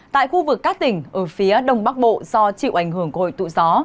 tại khu vực các tỉnh ở phía đông bắc bộ do chịu ảnh hưởng của hội tụ gió